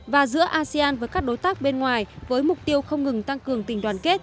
và giữa asean với các đối tác bên ngoài với mục tiêu không ngừng tăng cường tình đoàn kết